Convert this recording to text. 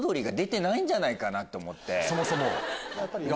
そもそもが。